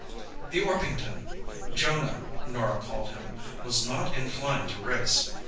The Orpington—Jonah, Norah called him—was not inclined to race.